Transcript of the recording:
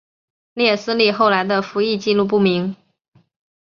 列斯利后来的服役纪录不明。